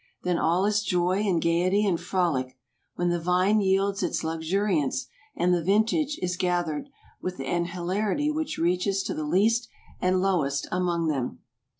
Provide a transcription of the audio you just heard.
Then all is joy, and gayety, and frolic; when the vine yields its luxuriance, and the vintage is ga¬ thered, with an hilarity which reaches to the least and lowest among them.